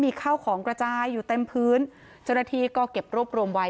มีข้าวของกระจายอยู่เต็มพื้นเจ้าหน้าที่ก็เก็บรวบรวมไว้